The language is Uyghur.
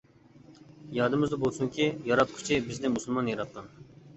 يادىمىزدا بولسۇنكى ياراتقۇچى بىزنى مۇسۇلمان ياراتقان.